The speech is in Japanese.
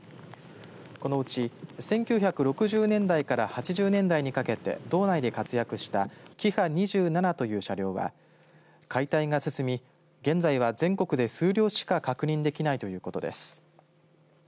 このうち１９６０年代から８０年代にかけて道内で活躍したキハ２７という車両は解体が進み現在は全国で数量しか確認できないということです。